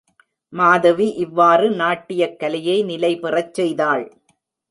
மாதவி இவ்வாறு நாட்டியக் கலையை நிலைபெறச் செய்தாள்.